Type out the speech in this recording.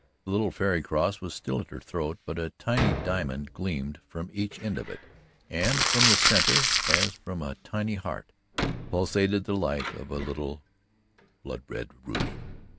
The little fairy cross was still at her throat, but a tiny diamond gleamed from each end of it and from the centre, as from a tiny heart, pulsated the light of a little blood red ruby.